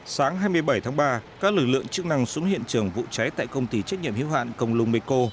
sáng hai mươi bảy tháng ba các lực lượng chức năng xuống hiện trường vụ cháy tại công ty trách nhiệm hiếu hạn công lung meko